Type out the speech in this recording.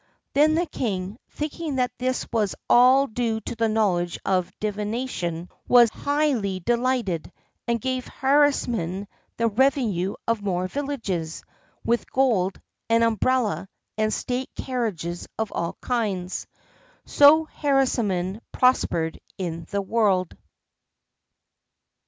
Then the king, thinking that this was all due to knowledge of divination, was highly delighted, and gave Harisarman the revenue of more villages, with gold, an umbrella, and state carriages of all kinds. So Harisarman prospered in the world.